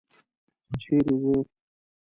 چېرې ځې؟